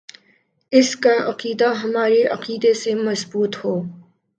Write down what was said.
اس کا عقیدہ ہمارے عقیدے سے مضبوط ہو